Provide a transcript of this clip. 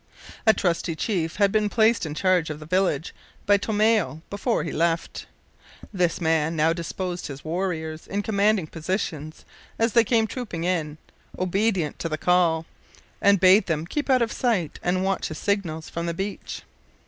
A trusty chief had been placed in charge of the village by Tomeo before he left. This man now disposed his warriors in commanding positions as they came trooping in, obedient to the call, and bade them keep out of sight and watch his signals from the beach.